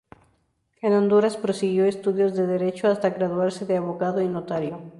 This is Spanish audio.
En Honduras prosiguió estudios de Derecho hasta graduarse de Abogado y Notario.